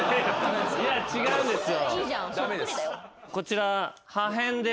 いや違うんですよ。